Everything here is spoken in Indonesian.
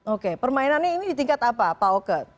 oke permainannya ini di tingkat apa pak oke